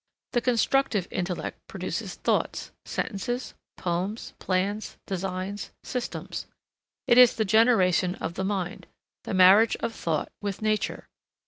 The constructive intellect produces thoughts, sentences, poems, plans, designs, systems. It is the generation of the mind, the marriage of thought with nature.